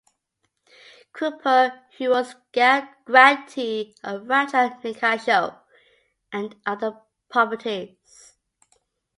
Cooper, who was the grantee of Rancho Nicasio and other properties.